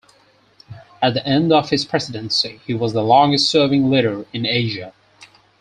At the end of his presidency, he was the longest serving leader in Asia.